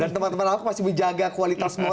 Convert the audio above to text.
dan teman teman ahok masih menjaga kualitas mereka